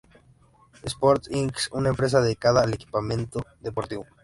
Sports, Inc., una empresa dedicada al equipamiento deportivo.